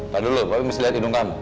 padahal lo harus lihat hidung kamu